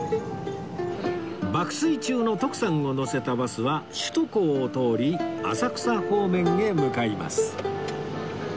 爆睡中の徳さんを乗せたバスは首都高を通り浅草方面へ向かいます